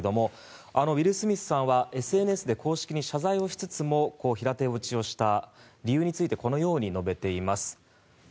ウィル・スミスさんはＳＮＳで公式に謝罪をしつつも平手打ちをした理由についてこのように述べています。